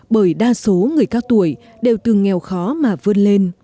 bởi đa số người cao tuổi đều từng nghèo khó mà vươn lên